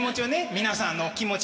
皆さんの気持ち